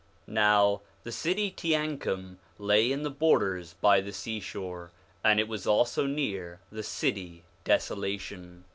Now the city Teancum lay in the borders by the seashore; and it was also near the city Desolation.